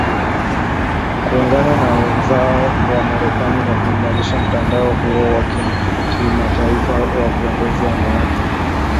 kuungana na wenzao wa Marekani na kuimarisha mtandao huo wa kimataifa wa viongozi wanawake